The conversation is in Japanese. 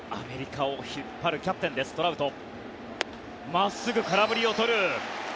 真っすぐ、空振りを取る。